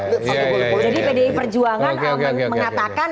jadi pdi perjuangan mengatakan